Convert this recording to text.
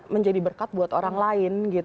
menjadi berkat buat orang lain